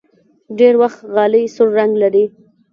ډېری وخت غالۍ سور رنګ لري.